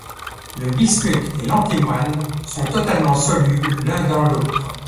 Le bismuth et l'antimoine sont totalement solubles l'un dans l'autre.